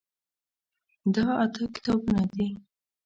دا اته کتابونه دي.